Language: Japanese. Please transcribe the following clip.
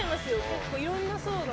結構いろんな層の。